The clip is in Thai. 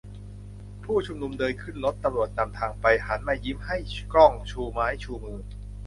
ผู้ชุมนุมเดินขึ้นรถ ตำรวจนำทางไป หันมายิ้มให้กล้องชูไม้ชูมือ